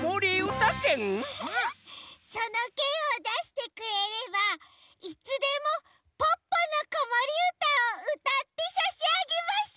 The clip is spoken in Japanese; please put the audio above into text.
そのけんをだしてくれればいつでも「ポッポのこもりうた」をうたってさしあげます。